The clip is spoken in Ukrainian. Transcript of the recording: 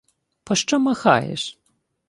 — Пощо махаєш?